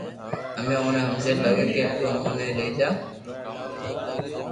امي اوني ھمجا لاگيا ڪي تو امو ني لئي جا